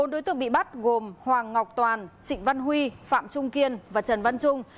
bốn đối tượng bị bắt gồm hoàng ngọc toàn trịnh văn huy phạm trung kiên và trần văn trung